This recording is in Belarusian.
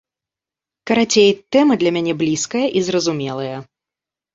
Карацей, тэма для мяне блізкая і зразумелая.